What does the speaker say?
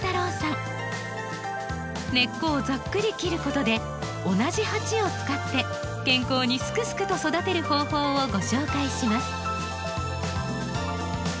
根っこをざっくり切ることで同じ鉢を使って健康にすくすくと育てる方法をご紹介します。